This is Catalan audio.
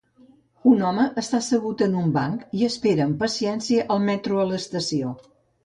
Un home està assegut en un banc i espera amb paciència el metro a l'estació.